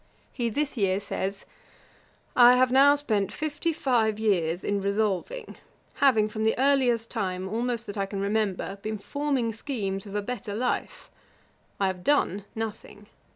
He this year says: 'I have now spent fifty five years in resolving; having, from the earliest time almost that I can remember, been forming schemes of a better life. I have done nothing.